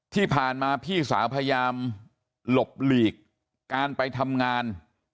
ที่ผ่านมาพี่สาวพยายามหลบหลีกการไปทำงาน